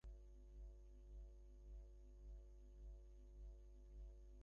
মাঘের অপরাহ্ন তখন সন্ধ্যার অন্ধকারে মিলাইবার উপক্রম করিতেছিল।